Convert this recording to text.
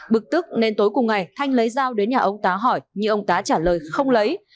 bực tức nên tối cùng ngày thanh lấy dao đến nhà ông tá hỏi nhưng ông tá trả lời không lấy